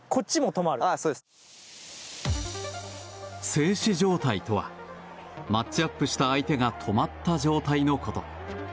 静止状態とはマッチアップした相手が止まった状態のこと。